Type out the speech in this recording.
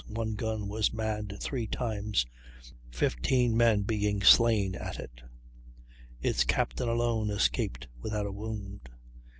One gun was manned three times, fifteen men being slam at it; its captain alone escaped without a wound.